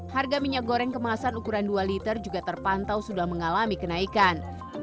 harga minyak goreng kemasan ukuran dua liter juga terpantau sudah mengalami kenaikan